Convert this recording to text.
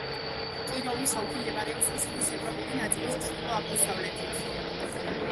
კიროვის ოლქი მდებარეობს რუსეთის ევროპული ნაწილის ჩრდილო-აღმოსავლეთით.